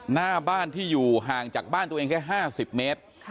หน้าบ้านที่อยู่ห่างจากบ้านตัวเองแค่๕๐เมตร